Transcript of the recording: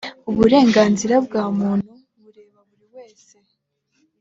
uburenganzira bwa muntu bureba buriwese.